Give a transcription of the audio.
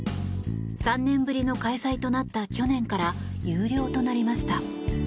３年ぶりの開催となった去年から有料となりました。